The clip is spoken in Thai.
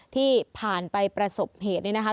ที่ผ่านไปประสบเหตุนี่นะคะ